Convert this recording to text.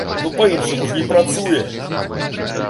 Ну па-іншаму ж не працуе.